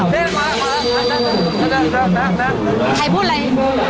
ใครพูดไร